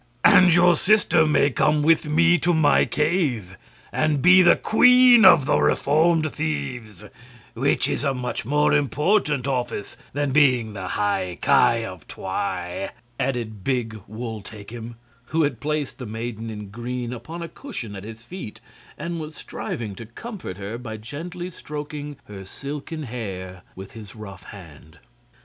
"And your sister may come with me to my cave, and be the queen of the reformed thieves, which is a much more important office than being High Ki of Twi," added big Wul Takim, who had placed the maiden in green upon a cushion at his feet, and was striving to comfort her by gently stroking her silken hair with his rough hand.